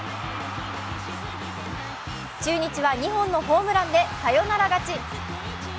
中日は２本のホームランでサヨナラ勝ち。